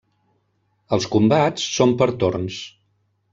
Els combats són per torns.